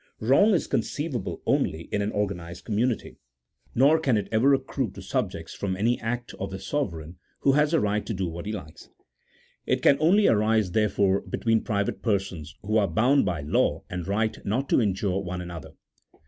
Wrong is conceivable only in an organized community : nor can it ever accrue to subjects from any act of the sove reign, who has the right to do what he likes. It can only arise, therefore, between private persons, who are bound by law and right not to injure one another.